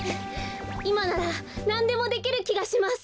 いまならなんでもできるきがします。